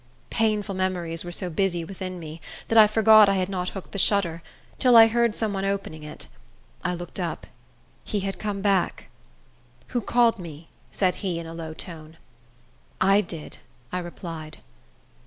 Painful memories were so busy within me, that I forgot I had not hooked the shutter, till I heard some one opening it. I looked up. He had come back. "Who called me?" said he, in a low tone. "I did," I replied.